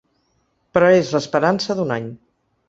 Però és l’esperança d’un any.